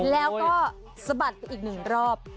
แล้วก็สะบัดอีก๑รอบ